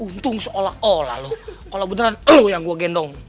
untung seolah olah loh kalau beneran lo yang gue gendong